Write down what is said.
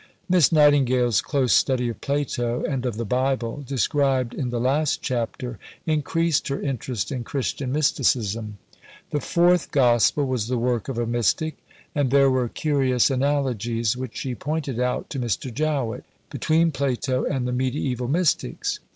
Miss Nightingale's close study of Plato and of the Bible, described in the last chapter, increased her interest in Christian mysticism. The Fourth Gospel was the work of a mystic. And there were curious analogies, which she pointed out to Mr. Jowett, between Plato and the mediæval mystics.